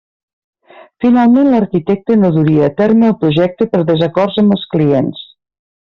Finalment l'arquitecte no duria a terme el projecte per desacords amb els clients.